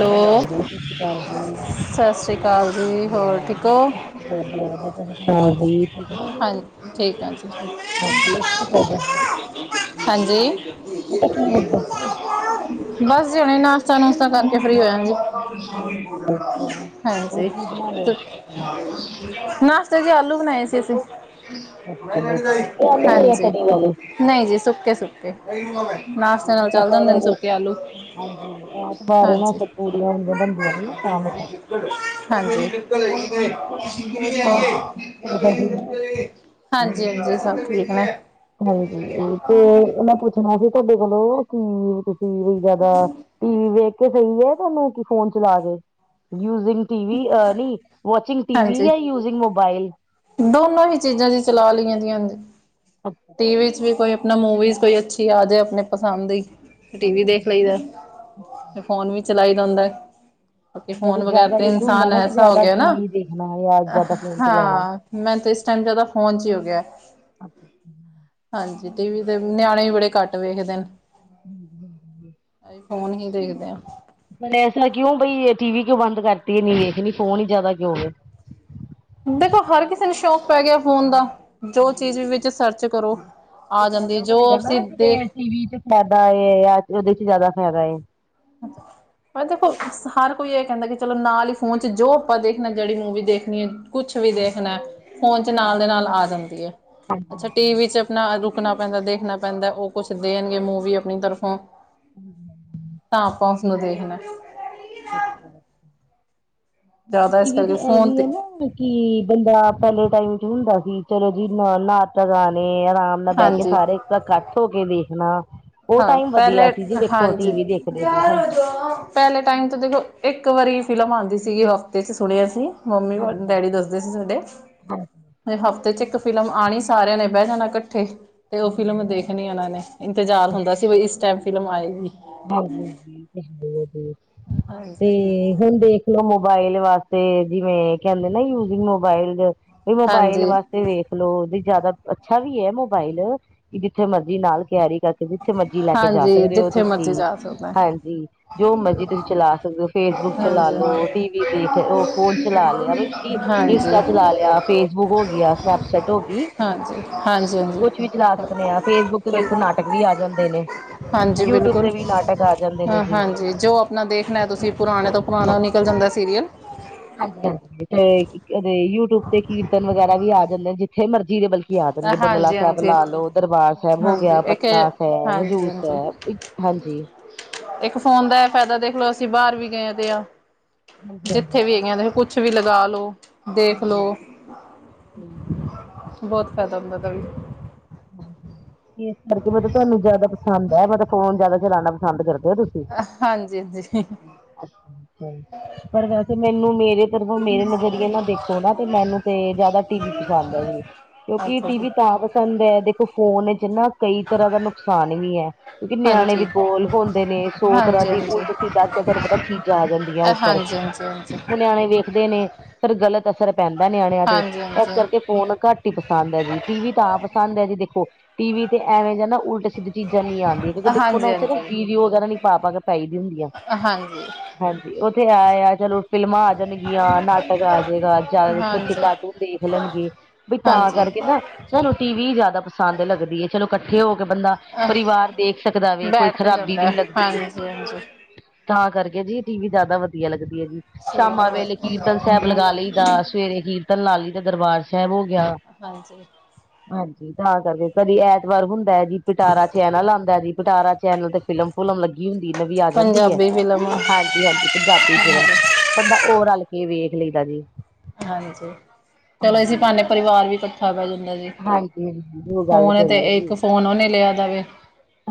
Hello ਹਾਂਜੀ ਸਤਿ ਸ਼੍ਰੀ ਅਕਾਲ ਜੀ ਸਤਿ ਸ਼੍ਰੀ ਅਕਾਲ ਜੀ ਹੋਰ। ਠੀਕ ਹੋ ਵਧੀਆ ਵਧੀਆ ਤੁਸੀਂ ਸੁਣਾਓ ਜੀ ਠੀਕ ਹੋ। ਹਾਂਜੀ ਹਾਂਜੀ ਕੀ ਕਰਦੇ ਸੀ ਠੀਕ। [unintelligible] ਮੈਂ ਕਿਹਾ ਕੀ ਕਰਦੇ ਸੀ ਹਾਂਜੀ ਬਸ ਜੀ ਹੁਣੇ ਨਾਸ਼ਤਾ ਨੁਸ਼ਤਾ ਕਰਕੇ ਫ੍ਰਰੀ ਹੋਏ ਆ ਹਜੇ। ਅੱਛਾ ਹੋਰ ਹਾਂਜੀ ਕੀ ਬਣਾ ਲਿਆ ਤੁ ਨਾਸ਼ਤੇ ਜ ਆਲੂ ਬਣਾਏ ਸੀ ਅਸੀਂ ਅੱਛਾ ਜੀ ਸੁੱਕੇ ਆਲੂ ਜਾਂ ਹਾਂਜੀ ਤਰੀ ਵਾਲੇ ਨਹੀਂ ਜੀ ਸੁੱਕੇ ਸੁੱਕੇ ਮੈਂ ਨਾਸ਼ਤੇ ਨਾਲ ਕਿਹਾ ਚੱਲ ਜਾਂਦੇ ਸਾਰਾ ਨੇ ਦੇ ਸੁੱਕੇ ਆਲੂ ਹਾਂਜੀ ਐਤਵਾਰ ਹੈ ਨਾ ਹਾਂਜੀ ਫਿਰ ਪੂਰੀਆਂ ਹੁੰਦੀਆਂ ਬਣਦੀਆਂ ਨੇ ਨਾ ਸ਼ਾਮ ਨੂੰ ਹਾਂਜੀ ਹਾਂਜੀ ਹੋਰ ਸੁਣਾਓ ਜੀ ਤੁਹਾਡੇ ਘਰ ਠੀਕ ਨੇ ਹਾਂਜੀ ਹਾਂਜੀ ਸਭ ਠੀਕ ਨੇ ਹਾਂਜੀ ਤੇ ਮੈਂ ਪੁੱਛਣਾ ਸੀ ਤੁਹਾਡੇ ਕੋਲੋਂ ਕੀ ਤੁਸੀਂ ਵੀ ਜਿਆਦਾ ਟੀ ਵੀ ਵੇਖ ਦੇ ਪਹੀ ਹੈ ਤੁਹਾਨੂੰ ਕਿ ਫੋਨ ਚਲਾ ਕੇ ਸੀ ਮਿਊਜਿਕ ਟੀ ਵੀ ਆ ਨਹੀਂ ਵੋਚਿੰਗ ਟੀ ਵੀ ਜਾਂ ਯੂਜਿੰਗ ਮੋਬਾਈਲ ਦੋਨੋ ਹੀ ਚੀਜ਼ਾਂ ਜੀ ਚਲਾ ਲੈਈਆ ਦੀਆਂ ਅੱਛਾ ਟੀਵੀ ਵਿਚ ਚ ਵੀ ਕੋਈ ਮੂਵੀਜ਼ ਕੋਈ ਅੱਛੀ ਆ ਜਾਏ ਆਪਣੇ ਪਸੰਦ ਦੀ ਟੀ ਹਾਂਜੀ ਵੀ ਦੇਖ ਹਾਂਜੀ ਲਈ ਦਾ ਤੇ ਅੱਛਾ ਫੋਨ ਵੀ ਚਲਾਈ ਦਾ ਹੁੰਦਾ ਕਿ ਵੈਸੇ ਫੋਨ ਵਗੈਰਾ ਜ਼ਿਆਦਾ ਤੇ ਇੱਕ ਹੁੰਦਾ ਇਨਸਾਨ ਨਾ ਕਿ ਐਸਾ ਹੋ ਜ਼ਿਆਦਾ ਗਿਆ ਨਾ ਟੀਵੀ ਦੇਖਣਾ ਜਾਂ ਜ਼ਿਆਦਾ ਫੋਨ ਚਲਾਣਾ ਹਾਂ ਮੈਂ ਤੇ ਇਸ ਟਾਈਮ ਜਿਆਦਾ ਫੋਨ ਚ ਹੀ ਹੋ ਗਿਆ ਅੱਛਾ ਹਾਂਜੀ ਟੀ ਵੀ ਦੇ ਨਿਆਣੇ ਵੀ ਬੜੇ ਘੱਟ ਵੇਖਦੇ ਨੇ ਹੂੰ ਜੀ ਹਾਂ ਅਸੀਂ ਫੋਨ ਹੀ ਦੇਖਦੇ ਆ ਐਸਾ ਕਿਉਂ ਬਈ ਟੀ ਵੀ ਕਿਉਂ ਬੰਦ ਕਰਤੀ ਨੀ ਵੇਖ ਨੀ ਫੋਨ ਹੀ ਜ਼ਿਆਦਾ ਕਿਉਂ ਹੋ ਗਿਆ ਦੇਖੋ ਹਰ ਕਿਸੇ ਨੂੰ ਸ਼ੌਂਕ ਪੈ ਗਿਆ ਫੋਨ ਦਾ ਹਾਂਜੀ ਜੋ ਚੀਜ਼ ਵੀ ਹਾਂਜੀ ਵਿੱਚ ਸਰਚ ਕਰੋ ਆ ਜਾਂਦੀ ਫਾਇਦਾ ਜੋ ਹੋਏਗਾ ਨਾ ਅਸੀਂ ਜਿਵੇਂ ਦੇਖ ਟੀਵੀ ਚ ਫਾਇਦਾ ਜਾਂ ਉਹਦੇ ਚ ਜ਼ਿਆਦਾ ਫਾਇਦਾ ਪਰ ਦੇਖੋ ਹਰ ਕੋਈ ਇਹ ਕਹਿੰਦਾ ਕਿ ਚਲੋ ਨਾਲ ਹੀ ਫੋਨ ਚ ਜੋ ਆਪਾਂ ਦੇਖਣਾ ਜਿਹੜੀ ਮੂਵੀ ਦੇਖਣੀ ਹੈ ਕੁਛ ਵੀ ਹਾਂਜੀ ਦੇਖਣਾ ਹਾਂਜੀ ਫੋਨ ਚ ਨਾਲ ਦੇ ਨਾਲ ਆ ਜਾਂਦੀ ਹੈ ਅੱਛਾ ਟੀ ਵੀ ਚ ਆਪਣਾ ਰੁਕਣਾ ਪੈਂਦਾ ਦੇਖਣਾ ਪੈਂਦਾ ਉਹ ਕੁਛ ਦੇਣਗੇ ਮੂਵੀ ਆਪਣੀ ਤਰਫੋਂ ਹੂੰ ਤਾਂ ਆਪਾਂ ਉਸਨੂੰ ਦੇਖਣਾ ਜ਼ਿਆਦਾ ਇਸ ਟੀਵੀ ਕਰਕੇ ਤੇ ਫੋਨ ਐਵੀਐ ਨਾ ਕੀ ਬੰਦਾ ਪੈਲੇ ਟਾਈਮ ਚ ਹੁੰਦਾ ਸੀ ਚਲੋ ਜੀ ਨ ਨਾਸਤਾ ਗਾਣੇ ਆਰਾਮ ਨਾਲ ਬਹਿ ਕੇ ਹਾਂਜੀ ਸਾਰੇ ਇੱਕ ਇਕੱਠ ਹੋ ਕੇ ਦੇਖਣਾ ਉਹ ਹਾਂ ਟਾਈਮ ਵਧੀਆ ਪੈਲੇ ਸੀ ਜੀ ਵੇਖੋ ਹਾਂਜੀ ਟੀਵੀ ਦੇਖਦੇ ਸੀ ਹਾਂਜੀ ਪੈਲੇ ਟਾਈਮ ਤੋਂ ਦੇਖੋ ਇੱਕ ਵਾਰੀ ਫਿਲਮ ਆਉਂਦੀ ਸੀਗੀ ਹਫ਼ਤੇ 'ਚ ਸੁਣਿਆ ਅਸੀਂ ਮੰਮੀ ਹਾਂਜੀ ਡੈਡੀ ਦੱਸਦੇ ਸੀ ਸਾਡੇ ਹਾਂਜੀ ਹਾਂਜੀ ਹਫ਼ਤੇ ਚ ਇੱਕ ਫਿਲਮ ਆਉਣੀ ਸਾਰਿਆਂ ਨੇ ਬਹਿ ਜਾਣਾ ਇਕੱਠੇ ਤੇ ਉਹ ਹਾਂਜੀ ਫਿਲਮ ਦੇਖਣੀ ਉਹਨਾਂ ਨੇ ਇੰਤਜ਼ਾਰ ਹੁੰਦਾ ਸੀ ਵੀ ਇਸ ਟਾਈਮ ਫਿਲਮ ਆਏਗੀ ਹਾਂਜੀ ਹਾਂਜੀ ਹਾਂ ਤੇ ਹਾਂਜੀ, ਹੁਣ ਦੇਖ ਚਲ ਮੋਬਾਇਲ ਵਾਸਤੇ, ਜਿਵੇਂ ਕਹਿੰਦੇ ਨਾ ਯੂਜਿੰਗ ਮੋਬਾਇਲ, ਮੋਬਾਇਲ ਹਾਂਜੀ, ਵਾਸਤੇ ਤੇ ਵੇਖਲੋ, ਜਿਆਦਾ ਅੱਛਾ ਵੀ ਹੈ ਮੋਬਾਇਲ, ਵੀ ਜਿੱਥੇ ਮਰਜੀ ਨਾਲ ਕੈਰੀ ਕਰ ਜਿੱਥੇ, ਮਰਜ਼ੀ ਲੈ ਕੇ ਜਾ ਹਾਂਜੀ ਸਕਦੇ ਹੋ, ਜਿੱਥੇ ਤੁਸੀਂ ਮਰਜ਼ੀ ਜਾ ਸਕਦਾ। ਹਾਂਜੀ, ਜੋ ਮਰਜੀ ਤੁਸੀਂ ਚਲਾ ਸਕਦੇ ਹੋ, ਫੇਸਬੁੱਕ ਚਲਾ ਹਾਂਜੀ, ਲੋ, ਹਾਂਜੀ, ਟੀ ਵੀ ਵੀ ਦੇਖ, ਉਹ ਫੋਨ ਚਲਾ ਲਿਆ, ਕਿ ਇੰਸਟਾ ਚਲਾ ਹਾਂਜੀ, ਲਿਆ, ਫੇਸਬੁੱਕ ਹੋ ਗਈ ਆ, ਸਨੈਪਚੈਟ ਹੋ ਗਈ। ਹਾਂਜੀ, ਹਾਂਜੀ। ਕੁਛ ਵੀ ਚਲਾ ਸਕਦੇ ਹਾਂ, ਫੇਸਬੁੱਕ ਤੇ ਕੋਈ ਦੇਖੋ ਨਾਟ ਕ, ਵੀ ਆ ਜਾਂਦੇ ਨੇ, ਹਾਂਜੀ ਯੂ ਟਿਊਬ ਬਿਲਕੁਲ ਹਾਂ ਹਾਂਜੀ, ਜੋ ਆਪਣਾ ਦੇਖਣਾ ਤੁਸੀਂ, ਪੁਰਾਣੇ ਤੋਂ ਪੁਰਾਣਾ ਨਿਕਲ ਜਾਂਦਾ ਸੀਰੀਅਲ ਹਾਂਜੀ, ਹਾਂ ਤੇ ਯੂ ਟਿਊਬ ਤੇ ਕੀਰਤਨ ਵਗੈਰਾ ਵੀ ਆ ਜਾਂਦੇ, ਜਿੱਥੇ ਮਰਜ਼ੀ ਦੇ ਬਲ ਕੀ ਆ ਦੇਣਗੇ, ਬੰਗਲਾ ਹਾਂਜੀ, ਸਾਹਿਬ ਹਾਂਜੀ, ਲਾ ਲਓ, ਦਰਬਾਰ ਸਾਹਿਬ ਹੋ ਗਿਆ, ਹਾਂਜੀ ਇੱਕ ਪਟਨਾ ਸਾਹਿਬ, ਹਾਂਜੀ, ਹਜ਼ੂਰ ਹਾਂਜੀ ਸਾਹਿਬ, ਹਾਂਜੀ। ਇੱਕ ਫੋਨ ਦਾ ਇਹ ਫਾਇਦਾ ਦੇਖਲੋ, ਅਸੀਂ ਬਾਹਰ ਵੀ ਗਏ ਤੇ ਆ, ਹਾਂਜੀ ਹਾਂਜੀ ਜਿੱਥੇ ਵੀ ਇਹ ਕੁ ਕੁਛ ਵੀ ਲਗਾ ਲੋ, ਦੇਖ ਹਾਂਜੀ ਲੋੋ, ਸਹੀ ਗੱਲ ਬਹੁਤ ਕਦਮ ਬਦਲ ਇਸ ਕਰਕੇ, ਮਤਲਬ ਤੁਹਾਨੂੰ ਜਿਆਦਾ ਪਸੰਦ ਹੈ, ਮਤਲਬ ਫੋਨ ਜਿਆਦਾ ਚਲਾਉਣਾ ਪਸੰਦ ਕਰਦੇ ਹੋ, ਤੁਸੀ ਹਾਂਜੀ- ਹਾਂਜੀ ਅੱਛਾ- ਅੱਛਾ ਪਰ ਵੈਸੇ ਮੈਨੂੰ, ਮੇਰੇ ਤਰਫਓ, ਮੇਰੇ ਨਜ਼ਰੀਏ ਨਾ ਦੇਖੋ ਨਾ, ਤੇ ਮੈਨੂੰ ਤੇ ਜ਼ਿਆਦਾ ਟੀ ਵੀ ਪਸੰਦ ਹੈ ਜੀ। ਕਿਉਂਕਿ, ਅੱਛਾ ਟੀ ਜੀ ਵੀ ਤਾਂ ਪਸੰਦ ਹੈ, ਦੇਖੋ ਫੋਨ ਵਿਚ ਨਾ ਕਈ ਤਰ੍ਹਾਂ ਦਾ ਨੁਕਸਾਨ ਵੀ ਹੈ। ਕਿਉਂਕਿ ਨਿਆਣੇ ਵਿ ਹਾਂਜੀ ਕੋਲ ਹੁੰਦੇ ਨੇ, ਸੌ ਤਰ੍ਹਾਂ ਹਾਂਜੀ ਦੀ ਹਾਂਜੀ ਉਲਟ ਸੀਿੱਧ ਚੀਜ਼ਾਂ ਆ ਜਾਂਦੀਆਂ ਹਾਂਜੀ ਉੱਪਰ, ਹਾਂਜੀ ਉਹ ਨਿਆਣੇ ਵੇਖਦੇ ਨੇ, ਫਿਰ ਗ਼ਲਤ ਅਸਰ ਪੈਂਦਾ ਨਿਆਣਿਆਂ ਤੇ, ਹਾਂਜੀ ਹਾਂਜੀ ਇਸ ਕਰਕੇ ਫੋਨ ਘੱਟ ਟੀ ਪਸੰਦ ਹੈ ਜੀ, ਟੀ ਵੀ ਤਾਂ ਪਸੰਦ ਹੈ ਜੀ ਦੇਖੋ, -ਟੀ ਵੀ ਤੇ ਐਵੇਂ ਜ ਨਾ ਉਲ ਸਿੱਦੀ, ਚੀਜ਼ਾਂ ਨੀ ਆਉਂਦੀਆਂ। ਕਿਉਂਕਿ ਦੇਖੋ ਨਾ, ਉੱਥੇ ਨਾ ਹਾਂਜੀ ਹਾਂਜੀ ਵੀਡਿਓ ਵਗੈਰਾ ਨੀ ਪਾ ਕੇ ਪੈਦੀ ਹੁੰਦੀਆਂ। ਹਾਂਜੀ ਹਾਂਜੀ, ਓ ਤੇ ਹੈ ਆ ਚਲੋ ਫਿਲਮਾਂ ਆਣਗੀਆਂ, ਨਾਟਕ ਆ ਜਾਏਗਾ, ਜ਼ਿਆਦਾ ਬੱਚੇ ਹਾਂਜੀ ਕਾਰਟੂਨ ਦੇਖ ਲੈਣਗੇ, ਬ ਤਾਂ ਹਾਂਜੀ ਕਰਕੇ ਨਾ ਸਾਨੂੰ ਟੀ ਵੀ ਜ਼ਿਆਦਾ ਪਸੰਦ ਲੱਗਦੀ ਹੈ, ਚਲੋ ਇਕੱਠੇ ਹੋ ਕੇ ਬੰਦਾ ਹਾਂਜੀ ਪਰਿਵਾਰ ਦੇਖ ਸਕਦਾ ਵੈ, ਕੋਈ ਬੈਠ ਤੇ ਖ਼ਰਾਬੀ ਵੀ ਜਾਂਦਾ ਨਹੀਂੀ ਹੈ। ਲੱਗਦੀ। ਹਾਂਜੀ ਹਾਂਜੀ ਤਾਂ ਕਰਕੇ ਜੀ, ਟੀ ਵੀ ਜਿਆਦਾ ਵਧੀਆ ਲੱਗਦੀ ਹੈ ਜੀ। ਸ਼ਾਮਾਂ ਵੇਲੇ, ਕੀਰਤਨ ਸਾਹਿਬ ਲਗਾ ਲਈ ਦਾ। ਸਵੇਰੇ ਕੀਰਤਨ ਲਾ ਲਈ ਦਾ, ਦਰਬਾਰ ਸਾਹਿਬ ਹੋ ਗਿਆ, ਹਾਂਜੀ ਹਾਂਜੀ ਤਾਂ ਕਰਕੇ ਕਦੇ ਐਤਵਾਰ ਹੁੰਦਾ ਹੈ ਜੀ, ਪਟਾਰਾ ਚੈਨਲ ਆਉਂਦਾ ਜੀ, ਪਟਾਰਾ ਚੈਨਲ ਤੇ ਫਿਲਮ- ਫੁਲਮ ਲੱਗੀ ਹੁੰਦੀ, ਨਵੀਂ ਆ ਜਾਂਦੀ ਹੈ, ਪੰਜਾਬੀ ਫਿਲਮ ਹਾਂਜੀ ਹਾਂਜੀ, ਪੰਜਾਬੀ ਫ਼ਿਲਮ, ਬੰਦਾ ਹੋ ਰਲ ਕੇ ਵੇਖ ਲਈਦਾ ਜੀ। ਹਾਂਜੀ, ਚਲੋ ਐਸੀ ਹਾਂਜੀ ਬਹਾਨੇ ਪਰਿਵਾਰ ਵੀ ਇਕੱਠੇ ਬੈਂ ਜਾਂਦਾ ਜੀ, ਹਾਂਜੀ ਜੋ ਗੱਲ ਫੋਨ ਏ ਤੇ ਕਰੀਏ ਇੱਕ ਜੀ ਫੋਨ ਓਨੇ ਲਿਆ ਦਾ ਵੇ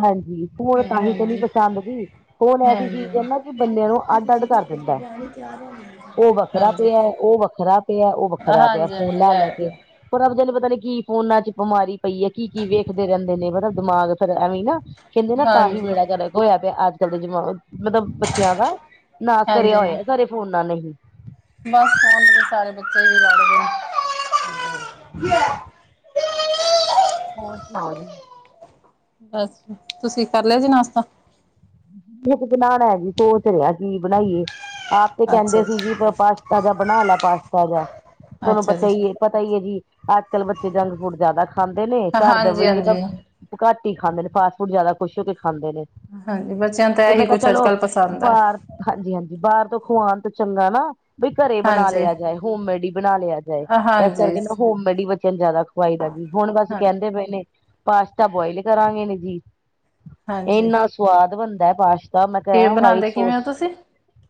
ਹਾਂਜੀ, ਫੋਨ ਤਾਂਹੀ ਤੇ ਨੀ ਪਸੰਦ ਜੀ, ਫੋਨ ਐਸੀ ਹਾਂਜੀ ਚੀਜ਼ ਹੈ ਨਾ, ਕਿ ਬੰਦਿਆਂ ਨੂੰ ਅੱਡ ਅੱਡ ਕਰ ਦਾ, ਉਹ ਵੱਖਰਾ ਹਾਂਜੀ ਪਿਆ, ਉਹ ਵੱਖਰਾ ਪਿਆ, ਉਹ ਵੱਖਰਾ ਖਰਾ ਪਿਆ, ਫੋਨ ਹਾਂਜੀ ਲੈ ਲੈ ਕੇ ਹੈ ਪਰ ਰਬ ਜੂੰ ਪਤਾ ਨੀ ਕੀ ਫੋਨਾ ਚ ਬਿਮਾਰੀ ਪਈ ਹੈ। ਕੀ ਕੀ ਵੇਖਦੇ ਰਹਿੰਦੇ ਨੇ ਦਿਮਾਗ ਫਿਰ ਐਵੇਂ ਨਾ ਕਹਿੰਦੇ ਨਾ, ਤਾਂ ਹੀ ਹਾਂਜੀ ਬੇੜਾ ਗਰਕ ਹੋਇਆ ਪਿਆ, ਅੱਜ ਕੱਲ ਦੇ ਜਮਾਨ ਮਤਲਬ ਬੱਚਿਆਂ ਦਾ ਨਾਸ ਕਰਿਆ ਹਾਂਜੀ ਹੋਇਆ, ਸਾਰੇ ਫੋਨ ਨੇ ਬਸ, ਸਣ ਦੇ ਸਾਰੇ ਬੱਚੇ ਵੀ ਲੜਦੇ ਨੇ। ਹਮ ਹੋਰ ਸੁਣਾਓ ਜੀ। ਬਸ, ਤੁਸੀਂ ਕਰ ਲਿਆ ਜੀ ਨਾਸ਼ਤਾ? ਬਤ ਬਣਾਣਾ ਜੀ ਸੋਚ ਰਿਹਾ ਕਿ ਬਣਾਈਏ? ਆਪ ਤੇ ਕਹਿੰਦੇ ਸੀ ਜੀ ਪਾ ਪਾਸ ਤਾਜ਼ਾ ਬਣਾ ਲੈ ਪਾਸਤਾ ਜਿਆ। ਤੁਹਨੂੰ ਅੱਛਾ ਪਤਾ ਜੀ ਈ ਏ ਪਤਾ ਈ ਐ ਜੀ। ਅੱਜ-ਕੱਲ੍ਹ ਬੱਚੇ ਜੰਕ-ਫੂਡ ਜ਼ਿਆਦਾ ਖਾਂਦੇ ਨੇ। ਘਰ ਦੇ ਹਾਂਜੀ ਵੀ ਤਾਂ ਹਾਂਜੀ ਉਹ ਘੱਟ ਈ ਖਾਂਦੇ ਨੇ। ਫਾਸਟ-ਫੂਡ ਜ਼ਿਆਦਾ ਖੁਸ਼ ਹੋਕੇ ਖਾਂਦੇ ਨੇ। ਹਾਂਜੀ। ਬੱਚਿਆਂ ਤਾਂ ਇਹੀ ਕੁੱਛ ਅੱਜ-ਕੱਲ੍ਹ ਪਸੰਦ ਐ। ਹਾਂਜੀ-ਹਾਂਜੀ, ਬਾਹਰ ਤੋਂ ਖਵਾਂਨ ਤੋਂ ਚੰਗਾ ਨਾ ਬ‌ਈ ਘਰੇ ਬਣਾ ਹਾਂਜੀ ਲਿਆ ਜਾਏ। ਹੋਮ-ਮੇਡ ਈ ਬਣਾ ਲਿਆ ਜਾਏ। ਇਸ ਹਾਂਜੀ ਕਰਕੇ ਨਾ, ਹੋਮ-ਮੇਡ ਈ ਬੱਚਿਆਂ ਨੂੰ ਜ਼ਿਆਦਾ ਖਵਾਈ ਦਾ ਜੀ। ਹੁਣ ਬਸ ਹਾਂ ਕਹਿੰਦੇ ਪਏ ਨੇ ਪਾਸ਼ਤਾ ਬੋਆਇਲ ਕਰਾਂਗੇ ਨੇ ਜੀ। ਹਾਂਜੀ ਇੰਨਾ ਸਵਾਦ ਬਣਦਾ ਪਾਸ਼ ਤਾਂ ਮੈਂ ਤੇ ਕੀ ਐ ਵਾਈਟ ਬਣਾਉਂਦੇ ਕਿਵੇਂ ਸੋਸ ਹੋ ਤੁਸੀਂ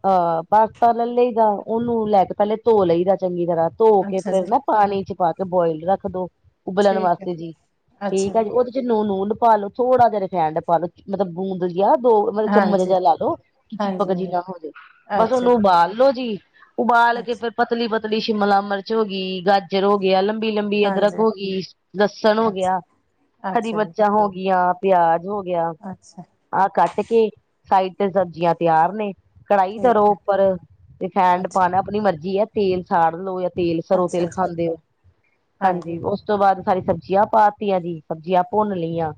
ਹਾ। ਪਾਸਤਾ ਲੈਲ‌ਈ ਦਾ। ਉਹਨੂੰ ਲੈ ਕੇ ਪਹਿਲੇ ਧੋ ਲਈ ਦਾ ਚੰਗੀ ਤਰ੍ਹਾਂ। ਧੋ ਕੇ ਅੱਛਾ ਫੇਰ ਜੀ ਨਾ ਪਾਣੀ 'ਚ ਪਾ ਕੇ ਬੋਇਲ ਰੱਖ ਦੋ। ਉਬਲਣ ਠੀਕ ਹੈ ਵਾਸਤੇ ਜੀ। ਠੀਕ ਐ ਜੀ। ਉਹਦੇ 'ਚ ਨੂੰਨ-ਨੂੰਨ ਪਾ ਲੋ। ਥੋੜਾ ਜਿਹਾ ਰਫਾਈਨਡ ਪਾ ਲੋ। ਮਤਲਬ ਬੂੰ- ਦੋ, ਮਤਲਬ ਚਮਚ ਹਾਂਜੀ ਜਿਹਾ ਲਾਲੋ, ਕਿ ਹਾਂਜੀ ਚੀਪਕ ਜੀ ਹਾਂਜੀ ਨਾ ਹੋਜੇ। ਬਸ ਅੱਛਾ ਉਹਨੂੰ ਜੀ ਉਬਾਲ ਲੋੋ ਜੀ। ਉਬਾਲ ਕੇ ਅੱਛਾ ਫੇਰ ਪਤਲੀ-ਪਤਲੀ ਸ਼ਿਮਲਾ ਮਿਰਚ ਹੋਗੀ, ਗਾਜਰ ਹੋ ਗਿਆ, ਲੰਬੀ-ਲੰਬੀ ਅਦਰਕ ਹਾਂਜੀ ਹੋਗੀ, ਲਸਨ ਹੋ ਅੱਛਾ ਗਿਆ ਹਰੀ ਅੱਛਾ ਜੀ, ਮਰਚਾਂ ਹੋ ਗੀਆਂ, ਪਿਆਜ ਹੋ ਗਿਆ। ਅੱਛਾ। ਆਹ ਕੱਟ ਕੇ ਸਾਈਡ ਤੇ ਸਬਜ਼ੀਆਂ ਤਿਆਰ ਨੇ। ਕੜਾਹੀ ਠੀਕ ਧਰੋ ਹੈ, ਉੱਪਰ। ਰਿਫੈਂਡ ਅੱਛਾ, ਪਾਣਾ ਆਪਣੀ ਮਰਜ਼ੀ ਐ, ਤੇਲ ਸਾੜ ਲਓ ਜਾਂ ਤੇਲ ਸਰੋਂ ਤੇਲ ਅੱਛਾ ਜੀ। ਖਾਂਦੇ ਓ ਹਾਂਜੀ ਉਸ ਉਸ ਤੋਂ ਬਾਅਦ ਸਾਰੀ ਸਬਜ਼ੀਆਂ ਪਾਤੀਆਂ ਜੀ। ਸਬਜ਼ੀਆਂ ਭੁੰਨ ਲੀਆਂ।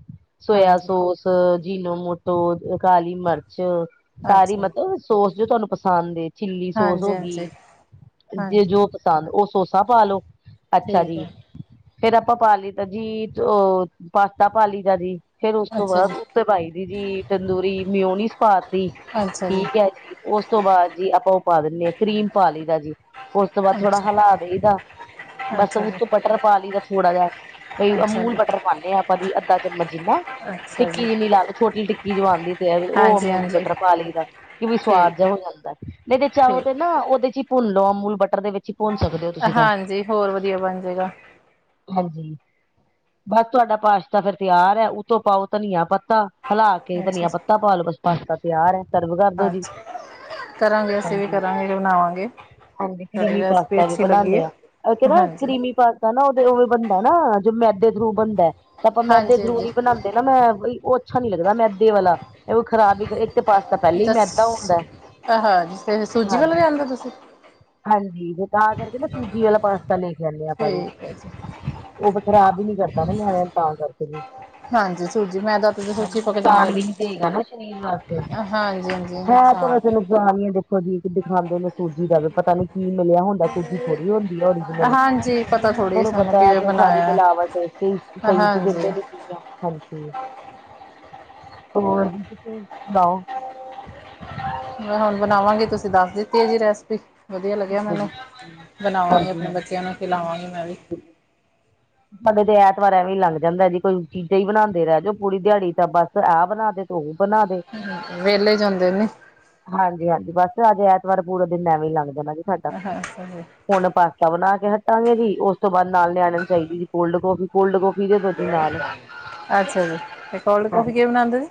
ਸੋਆ ਹਾਂਜੀ, ਸੋਸ ਜੀਨੋ-ਮੋਟੋ, ਕਾਲੀ ਮਰਚ, ਸਾਰੀ ਅੱਛਾ ਜੀ, ਮਤਲਬ ਸੋਸ, ਜੋ ਤੁਹਾਨੂੰ ਪਸੰਦ ਏ ਚਿਲੀ ਸੋਸ ਹਾਂਜੀ, ਹੋਗੀ। ਹਾਂਜੀ, ਜੇ ਹਾਂਜੀ। ਜੋ ਪਸੰਦ। ਉਹ ਸੋਸਾ ਪਾਾਲੋ, ਅੱਛਾ ਠੀਕ ਜੀ। ਹੈ, ਫੇਰ ਆਪਾਂ ਪਾ ਲੀ ਦਾ ਜੀ, ਉਹ ਪਾਸਤਾ ਪਾ ਲੀ ਦਾ ਜੀ। ਫੇਰ ਉਸ ਤੋਂ ਅੱਛਾ ਬਾਅਦ ਜੀ, ਉਤੇ ਪਾਈ ਦੀ ਜੀ, ਤੰਦੂਰੀ ਮਿਉਨੀਸ ਪਾਤੀ, ਅੱਛਾ ਜੀ, ਠੀਕ ਐ ਜੀ। ਉਸ ਤੋਂ ਬਾਅਦ ਜੀ ਆਪਾਂ ਉਹ ਪਾ ਦਿੰਨੇ ਆ, ਕਰੀਮ ਪਾ ਲੀ ਦਾ ਜੀ। ਉਸ ਤੋਂ ਬਾਅਦ ਥੋੜਾ ਅੱਛਾ, ਹਲਾ ਦਈਦਾ। ਬਸ, ਅੱਛਾ ਜੀ, ਉੱਤੋ ਬਟਰ ਪਾ ਲੀ ਦਾ ਥੋੜਾ ਜਿਹਾ। ਬਈ ਅੱਛਾ ਅਮੂਲ ਜੀ। ਬਟਰ ਪਾਨੇ ਆ ਤਾ ਬੀ ਅੱਦਾ ਚਮਚ ਜਿੰਨਾ ਅੱਛਾ ਜ। ਟਿੱਕੀ ਜਿਨੀ ਲਾ ਲੋ। ਛੋਟੀ ਟਿੱਕੀ ਜੋ ਆਂਦੀ ਫੇਰ ਉਹ ਹਾਂਜੀ, ਅਮੂਲ 'ਚ ਹਾਂਜੀ, ਬਟਰ ਪਾ ਲੀ ਦਾ। ਕਿ ਵੀ ਸੁਵਾਦ ਠੀਕ ਜਿਹਾ ਹੈ, ਹੋ ਜਾਂਦਾ। ਨਹੀਂ ਤੇ ਚਾਹੋ ਤੇ ਠੀਕ। ਨਾ, ਉਹਦੇ 'ਚ ਈ ਭੁੰਨ ਲਓ। ਅਮੂਲ ਬਟਰ ਦੇ ਵਿੱਚ 'ਚ ਭੁੰਨ ਸਕਦੇ ਓ ਤੁਸੀਂ ਤਾਂ। ਹਾਂਜੀ, ਹੋਰ ਵਧੀਆ ਬਣ ਜਾਏਗਾ, ਹਾਂਜੀ, ਬਸ ਤੁਹਾਡਾ ਪਾਸ਼ਤਾ ਫੇਰ ਤਿਆਰ ਐ। ਉੱਤੋਂ ਪਾਓ ਧਨੀਆ ਪੱਤਾ ਹਲਾ ਕੇ ਅੱਛਾ ਧਨੀਆ ਜੀ। ਪੱਤਾ ਪਾ ਲਵੋ। ਬਸ ਪਾਸਤਾ ਤਿਆਰ ਐ, ਸਰਵ ਕਰਦੋ ਜੀ। ਅੱਛਾ, ਕਰਾਂਗੇ, ਅਸੀਂ ਵੀ ਹਾਂਜੀ ਕਰਾਂਗੇ, ਜੇ ਬਣਾਵਾਂਗੇ। ਹਾਂਜੀ, ਤੁਹਾਡੀ ਕਰੀਮੀ ਰੈਸਪੀ ਪਾਸਤਾ ਵੀ ਅੱਛੀ ਲੱਗੀ ਬਣਾਂਣੇ ਹੈ। ਆ। ਉਹ 'ਚ ਨਾ ਹਾਂਜੀ, ਕਰੀਮੀ ਪਾ ਸਤਾ ਨਾ, ਉਹਦੇ ਉਵੇਂ ਬਣਦਾ ਨਾ, ਜੋ ਮੈਦੇ ਥਰੂ ਬਣਦੈ। ਤਾਂ ਆਪਾਂ ਮੈਦੇ ਹਾਂਜੀ, ਥੂ ਹਾਂਜੀ, ਨੀ ਬਣਾਂਦੇ ਨਾ ਮੈਂ ਬ‌ਈ, ਉਹ ਅੱਛਾ ਨੀ ਲੱਗਦਾ, ਮੈਂਦੈ ਵਾਲਾ। ਐਹ ਓ ਖ਼ਰਾਬ ਈ ਤੇ ਪਾਸਤਾ ਪਹਿਲੇ ਈ ਅੱਛਾ ਮੈਂਦਾਂ ਹੁੰਦਾ। ਆਹ ਜਿਸ ਸੂਜੀ ਵਾਲਾ ਹਾਂਜੀ। ਲਿਆਂਦਾ ਤੁਸੀਂ ਹਾਂਜੀ ਤੇ ਤਾਂ ਕਰਕੇ ਨਾ ਸੂਜੀ ਆਲਾ ਪਾਸਤਾ ਲੇ ਕੇ ਆਨੇ ਆਪਾਂ ਵੀ। ਠੀਕ ਹੈ ਜੀ ਉਹ ਫਿਰ ਖ਼ਰਾਬ ਈ ਨੀ ਕਰਦਾ ਨਾ ਨਿਆਣਿਆਂ ਨੂੰ, ਤਾਂ ਕਰਕੇ ਵੀ। ਹਾਂਜੀ, ਸੂਜੀ ਮੈਂ ਤਾਂ ਹਾਂਜੀ, ਸੂਜੀ ਪੱਕ ਜਾਂਦਾ ਨੁਕਸਾਨ ਜੀ ਵੀ ਨੀ ਸੀਗਾ ਨਾ ਸਰੀਰ ਵਾਸਤੇ ਹਾਂਜੀ ਹਾਂਜੀ ਹਾਂ ਨੁਕਸਾਨ [unintelligible] ਨੁਕਸਾਨ ਈ ਐ ਦੇਖੋ ਜੀ ਕਿ ਦਿਖਾਦੇ ਨੇ ਸੂਜੀ ਦਾ ਵੀ ਪਤਾ ਨੀ ਕੀ ਮਿਲਿਆ ਹੁੰਦਾ ਸੂਜੀ ਥੋੜ੍ਹੀ ਹੁੰਦੀ ਐ ਓਰੀਜਨਲ ਹਾਂਜੀ ਪਤਾ ਥੋੜ੍ਹੀ ਥੋਨੂੰ ਸਾਨੂੰ ਪਤਾ ਕਿਵੇਂ ਅੱਜ ਸਾਰੀ ਬਣਾਇਆ ਮਿਲਾਵਟ ਤੇ ਸਈ ਵੀ ਹਾਂਜੀ ਦਿੰਦੇ ਨੇ ਚੀਜ਼ਾਂ। ਹਾਂਜੀ, ਹੋਰ ਤੁਸੀਂ ਸੁਣਾਓ? ਮੈਂ ਹੁਨ ਬਣਾਵਾਂਗੀ ਤੁਸੀਂ ਦੱਸ ਦਿੱਤੀ ਆ ਜੀ ਰੈਸਿਪੀ। ਵਧੀਆ ਲੱਗਿਆ ਮੈਨੂੰ ਹਾਂਜੀ ਬਣਾਵਾਂਗੀ ਆਪਣੇ ਬੱਚਿਆਂ ਹਾਂਜੀ ਨੂੰ ਖਿਲਾਵਾਂਗੀ ਮੈਂ ਵੀ ਸਾਡੇ ਤੇ ਐਤਵਾਰ ਐਵੇਂ ਲੰਘ ਜਾਂਦਾ ਜੀ ਕੋਈ ਚੀਜ਼ਾਂ ਈ ਬਣਾਂਦੇ ਰੈ ਜੋ ਪੂਰੀ ਦਿਹਾੜੀ ਤਾਂ ਬਸ ਆਹ ਬਣਾ ਦੇ ਓ ਬਣਾ ਦੇ। ਵਿਹਲੇ ਜੇ ਹੁੰਦੇ ਨੇ। ਹਾਂਜੀ ਹਾਂਜੀ, ਬਸ ਅੱਜ ਐਤਵਾਰ ਪੂਰਾ ਦਿਨ ਐਵੇਂ ਈ ਲੰਗ ਜਾਣਾ ਜੀ। ਹਾਂ ਅੱਛਾ ਜੀ। ਹੁਨ ਪਾਸਤਾ ਬਣਾ ਕੇ ਹਟਾਂਗੇ ਜੀ ਉਸ ਤੋਂ ਬਾਅਦ ਨਾਲ ਨਿਆਣਿਆ ਨੂੰ ਚਾਹੀਦੀ ਜੀ ਕੋਲਡ ਕਾਫੀ ਕੋਲਡ ਕਾਫੀ ਅੱਛਾ ਜੀ ਤੇ ਕੋਲਡ ਕੌਫੀ ਕਿਵੇ ਬਣਾਂਦੇ ਓ ਜੀ।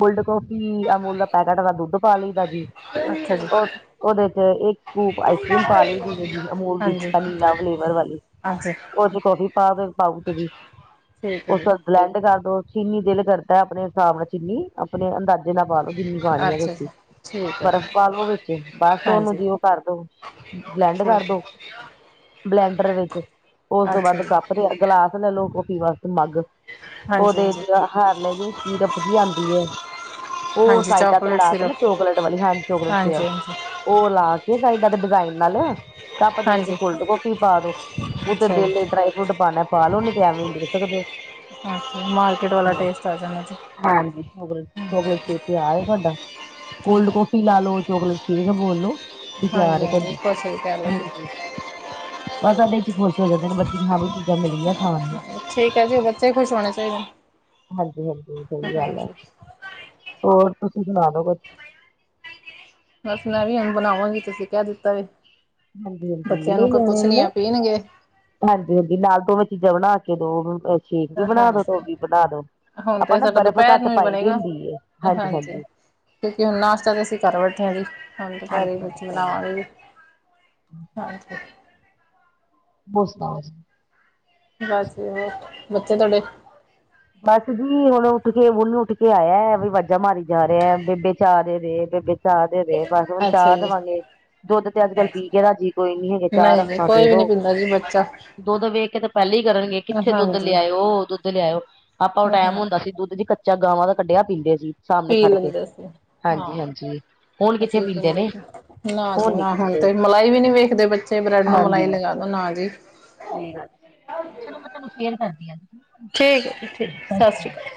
ਕੋਲਡ ਕੌਫੀ ਅਮੂਲ ਦਾ ਪੈਕੇਟ ਦਾ ਦੁੱਧ ਪਾ ਲਈਦਾ ਜੀ। ਅੱਛਾ ਜੀ। ਓਦੇ ਓਦੇ ਚ ਇੱਕ ਸਕੂਪ ਆਈਸ ਕਰ੍ਰੀਮ ਪਾ ਲਈ [unintelligible] ਅਮੂਲ ਦੀ ਹਾਂਜੀ ਪਨੀਲਾ ਫਲੇਵਰ ਵਾਲੀ। ਹਾਂਜੀ ਓ ਚ ਕੋਫੀ ਪਾਂਦੋ ਪਾਊਚ ਜੀ। ਠੀਕ ਐ ਜੀ। ਬਲੈਂਡ ਕਰ ਦੋ ਚੀਨੀ ਦਿਲ ਕਰਦਾ ਆਪਣੇ ਸਾਬ ਨਾਲ ਚੀਨੀ। ਆਪਣੇ ਅੰਦਾਜ਼ੇ ਨਾਲ ਪਾਲੋ ਜਿੰਨੀ ਪਾਨੀ ਐ ਅੱਛਾ ਤੁਸੀਂ। ਜੀ ਠੀਕ ਹੈ ਬਰਫ਼ ਪਾਲੋ ਵਿੱਚ ਬਸ ਓਨੂੰ ਹਾਂਜੀ ਜੀਓ ਕਰ ਦੋ ਬਲੈਂਡ ਠੀਕ ਕਰ ਹੈ ਦੋ। ਬਲੈਂਡਰ ਵਿੱਚ ਉਸ ਤੋਂ ਅੱਛਾ ਬਾਅਦ ਜੀ ਕੱਪ ਤੇ ਗਿਲਾਸ ਲੈ ਲੋ ਕੋਫੀ ਵਾਸਤੇ ਮੱਗ। ਹਾਂਜੀ ਓਦੇ ਹਾਂਜੀ ਚ ਹਾਰਲੈ ਦੀ ਸ਼ੀਰਪ ਜੀ ਆਂਦੀ ਐ। ਓ ਹਾਂਜੀ ਸਾਈਡਾਂ ਤੇ ਚੋਕਲੇਟ ਲਾ ਕੇ ਸਿਰਪ ਨਾ ਚੋਕਲੇਟ ਵਾਲੀ ਹਾਂਜੀ ਚੋਕਲੇਟ ਸੀਗਾ। ਹਾਂਜੀ ਹਾਂਜੀ ਓ ਲਾ ਕੇ ਸਾਈਡਾਂ ਤੇ ਡਿਜ਼ਾਇਨ ਲਾਲੋ। ਕੱਪ ਦੇ ਵਿੱਚ ਹਾਂਜੀ ਕੋਲਡ ਕੋਫੀ ਪਾਦੋ ਓ ਤੇ ਅੱਛਾ ਜੀ ਦਿਲ ਡਰਾਈ ਫਰੂਟ ਪਾਣਾ। ਪਾਲੋ ਨਈ ਤੇ ਐਵੇਂ [unintelligible] ਸਕਦੇ ਓ। ਅੱਛਾ, ਮਾਰਕੀਟ ਵਾਲਾ ਟੇਸਟ ਆ ਜਾਂਦਾ ਜੀ। ਹਾਂਜੀ, [unintelligible] ਛੇਤੀ ਆ ਈ ਜਾਂਦਾ। ਕੋਲਡ ਕੋਫੀ ਲਾ ਲੋ ਚੋਕਲੇਟ ਸੇਕ ਬੋਲ ਲੋ ਵੀ ਤਿਆਰ ਹਾਂਜੀ ਐ [unintelligible] ਹਾਂਜੀ ਕੁਛ ਵੀ ਕਹਿ ਲਓ ਹਾਂਜੀ। ਜੀ ਬਸ ਏਦੇ ਚ ਖੁਸ਼ ਹੋ ਜਾਂਦੇ ਨੇ ਬੱਚੇ ਕੀ ਹਾਂ ਵੀ ਚੀਜ਼ਾਂ ਮਿਲੀਆਂ ਖਾਣ ਨੂੰ। ਠੀਕ ਐ ਜੀ ਬੱਚੇ ਖੁਸ਼ ਹੋਣਾ ਚਾਈਦੇ। ਹਾਂਜੀ ਹਾਂਜੀ, ਸਈ ਗੱਲ ਐ ਹੋਰ ਤੁਸੀਂ ਸੁਣਾ ਦੋ ਕੁਝ? ਬੱਸ ਮੈਂ ਵੀ ਹੁਨ ਬਣਾਵਾਂਗੀ ਤੁਸੀਂ ਕਹਿ ਦਿੱਤਾ ਵੀ। ਹਾਂਜੀ ਹਾਂਜੀ, ਬੱਚਿਆਂ ਨਈ ਨਿਆਣਿਆਂ ਕੁਛ ਨੂੰ ਨੀ ਨਾ। ਆ ਪੀਣਗੇ ਹਾਂਜੀ ਹਾਂਜੀ, ਨਾਲ ਦੋਵੇਂ ਚੀਜ਼ਾਂ ਬਣਾ ਕੇ ਦੋ ਸ਼ੇਕ ਵੀ ਬਣਾ ਦੋ ਤੋਂ ਹਾਂਜੀ ਓ ਵੀ ਬਣਾ ਦੋ। ਹੁਣ ਆਪਾਂ ਤੇ ਨਾ ਸਾਡਾ ਬਰਫ਼ ਦੁਪਹਿਰ ਘੱਟ ਨੂੰ ਹੀ ਪਾਈ ਦੀ ਬਣੇਗਾ ਹੁੰਦੀ ਐ ਹਾਂਜੀ ਹਾਂਜੀ। ਕਿਉਂਕਿ ਹੁਨ ਨਾਸਤਾ ਤੇ ਅਸੀਂ ਘਰ ਬੈਠੇ ਆ ਜੀ। ਹਾਂਜੀ ਦੁਪਹਿਰੇ ਵਿੱਚ ਬਣਾਵਾਂਗੇ ਜੀ ਹਾਂਜੀ। ਹੋਰ ਸਣਾਓ ਜੀ? ਬਸ ਜੀ ਹੋਰ ਬੱਚੇ ਤੁਹਾਡੇ? ਬਸ ਜੀ ਹੁਨ ਉੱਠ ਕੇ ਹੁਨੀ ਉੱਠ ਕੇ ਆਇਆ ਏ ਵੀ ਵਾਜਾਂ ਮਾਰੀ ਜਾ ਰਿਆ ਬੇਬੇ ਚਾਹ ਦੇ ਦੇ ਬੇਬੇ ਚਾਹ ਦੇ ਦੇ ਬਸ ਹੁਨ ਅੱਛਾ ਚਾਹ ਜੀ ਦਵਾਂਗੇ। ਦੁੱਧ ਤੇ ਅੱਜ ਕੱਲ ਅੱਛਾ ਪੀ ਕੇ ਰਾਜੀ ਕੋਈ ਨੀ ਹੈਗੇ ਚਾਹ ਰੱਸਾਂ ਦੇ ਦੋ। ਅਰੀ ਬੱਚਾ ਦੁੱਧ ਵੇਖ ਕੇ ਤਾਂ ਪਹਿਲਾਂ ਈ ਕਰਨਗੇ ਕਿੱਥੇ ਦੁੱਧ ਹਾਂਜੀ ਲਿਆਏ ਓ ਦੁੱਧ ਲਿਆਓ। ਆਪਾਂ ਓ ਟਾਈਮ ਹਾਂ ਹੁੰਦਾ ਸੀ ਦੁੱਧ ਜੀ ਕੱਚਾ ਗਾਵਾਂ ਦਾ ਕੱਢਿਆ ਪੀਂਦੇ ਸੀ। ਸਾਹਮਣੇ ਪੀ ਖੜ ਕੇ, ਲੈਂਦੇ ਸੀ ਹਾਂ ਹਾਂਜੀ-ਹਾਂਜੀ ਹੁਣ ਕਿੱਥੇ ਅਸੀਂ ਪੀਂਦੇ ਨੇ। ਸੀ ਨਾ ਜੀ ਨੀ ਨਾ ਹੁਣ ਪੀਂਦੇ 'ਤੇ ਮਲਾਈ ਵੀ ਨੀ ਵੇਖਦੇ ਬੱਚੇ ਬ੍ਰੈਡ ਨੂੰ ਮਲਾਈ ਲਗਾ ਦੋ ਨਾ ਜੀ। ਚਲੋ ਮੈਂ ਤੁਹਾਨੂੰ ਫੇਰ ਕਰਦੀ ਆ ਜੀ। ਠੀਕ ਏ ਜੀ ਠੀਕ ਸ ਸ਼੍ਰੀ ਕਾਲ।